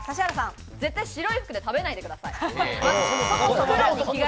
絶対白い服で食べないでください。